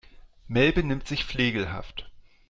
Mel benimmt sich flegelhaft.